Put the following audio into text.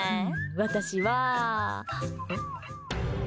私は。